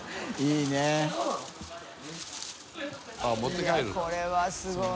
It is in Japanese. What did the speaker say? いやこれはすごい。